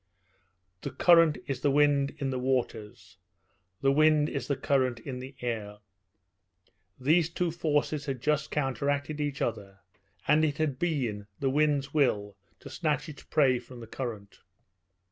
The current is the wind in the waters; the wind is the current in the air. These two forces had just counteracted each other, and it had been the wind's will to snatch its prey from the current.